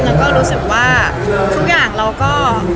แล้วก็รู้สึกว่าทุกอย่างเราก็